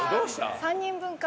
３人分か。